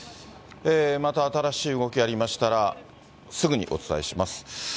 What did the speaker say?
また新しい動きありましたら、すぐにお伝えします。